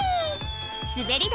滑り台？